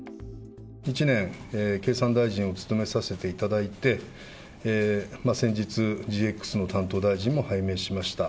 １年、経産大臣を務めさせていただいて、先日、ＧＸの担当大臣も拝命しました。